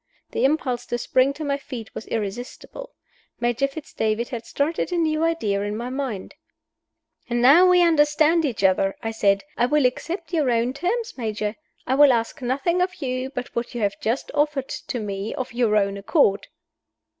The impulse to spring to my feet was irresistible. Major Fitz David had started a new idea in my mind. "Now we understand each other!" I said. "I will accept your own terms, Major. I will ask nothing of you but what you have just offered to me of your own accord."